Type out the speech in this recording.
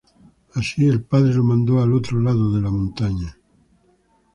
Así, el padre lo mandó al otro lado de la montaña.